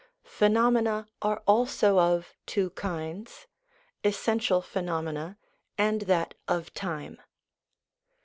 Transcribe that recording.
Phenomena are also of two kinds, essential phenomena and that of time.